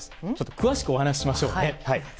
詳しくお話ししましょう。